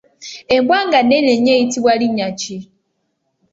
Embwa nga nnene nnyo eyitibwa linnya ki?